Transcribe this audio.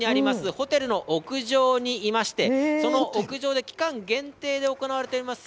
ホテルの屋上にいまして、その屋上で期間限定で行われております